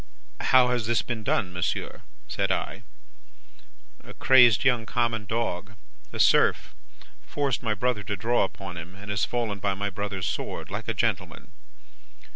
"'How has this been done, monsieur?' said I. "'A crazed young common dog! A serf! Forced my brother to draw upon him, and has fallen by my brother's sword like a gentleman.